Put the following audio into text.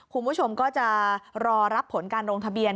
คุณผู้ชมก็จะรอรับผลการลงทะเบียน